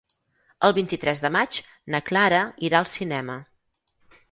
El vint-i-tres de maig na Clara irà al cinema.